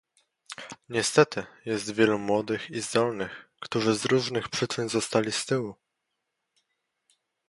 Niestety jest wielu młodych i zdolnych, którzy z różnych przyczyn zostali z tyłu